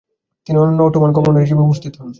তিনি অনন্য Ottoman governor হিসাবে উপস্থিত হন।